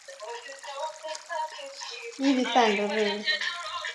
Sema tu kuwa Wataturu walikuwa wachache